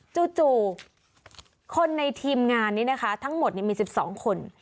จู่คนในทีมงานนี้นะคะทั้งหมดมี๑๒คน